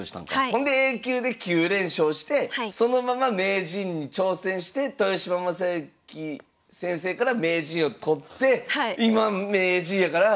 ほんでＡ級で９連勝してそのまま名人に挑戦して豊島将之先生から名人を取って今名人やから。